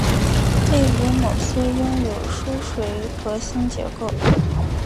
例如某些拥有疏水核心结构。